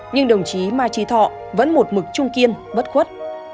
nhưng đồng chí mai trí thọ vẫn một mực trung kiên bất khuất